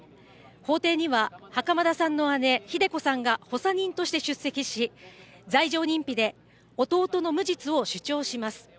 法廷には袴田さんの姉・ひで子さんが補佐人として出席し、罪状認否で、弟の無実を主張します。